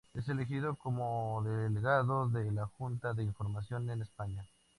Es elegido como delegado de la Junta de Información en España.